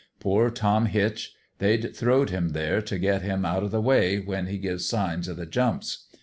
Poor Tom Hitch ! they'd throwed him there t' get him out o' the way, when he give signs o' the jumps.